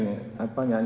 kalau misalnya lain